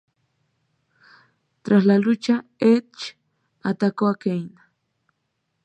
Tras la lucha, Edge atacó a Kane.